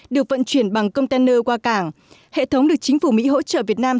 được vận chuyển bằng container qua cảng hệ thống được chính phủ mỹ hỗ trợ việt nam